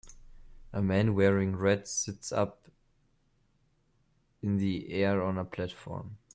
A man wearing red sits up in the air on a platform.